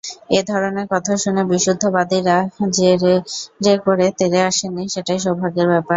এ ধরনের কথা শুনে বিশুদ্ধবাদীরা যে রে-রে করে তেড়ে আসেননি, সেটাই সৌভাগ্যের ব্যাপার।